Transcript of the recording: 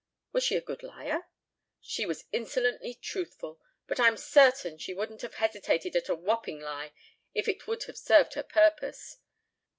"Was she a good liar?" "She was insolently truthful, but I'm certain she wouldn't have hesitated at a whopping lie if it would have served her purpose.